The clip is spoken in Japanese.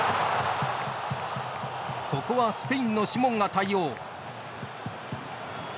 ここはスペインのシモンが対応。